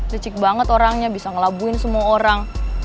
licik banget orangnya bisa ngelabuin semua orang